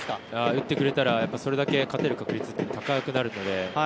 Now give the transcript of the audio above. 打ってくれたらそれだけ勝てる確率が高くなるので。